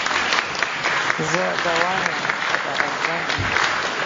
زه دا واييم که دغه ژوند وي